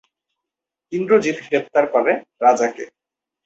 ইন্দ্রজিৎ গ্রেপ্তার করে রাজাকে।